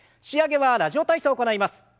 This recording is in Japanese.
仕上げは「ラジオ体操」を行います。